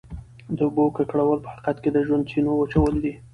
د اوبو ککړول په حقیقت کې د ژوند د چینو وچول دي.